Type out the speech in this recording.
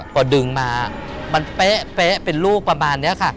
พอดึงมามันเป๊ะเป็นลูกประมาณนี้ค่ะ